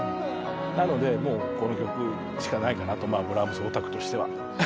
なのでもうこの曲しかないかなとブラームスオタクとしては。